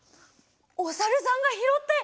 おさるさんがひろって。